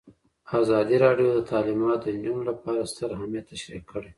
ازادي راډیو د تعلیمات د نجونو لپاره ستر اهميت تشریح کړی.